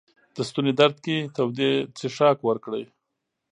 د ستوني درد کې تودې څښاک ورکړئ.